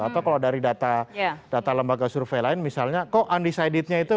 atau kalau dari data lembaga survei lain misalnya kok undecidednya itu